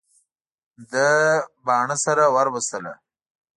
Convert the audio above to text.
ده باڼه سره ور وستله.